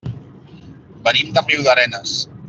Venim de Riudarenes.